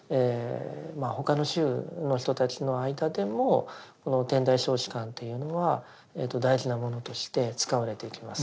他の宗の人たちの間でもこの「天台小止観」というのは大事なものとして使われていきます。